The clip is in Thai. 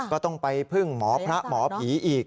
ก็ต้องไปพึ่งหมอพระหมอผีอีก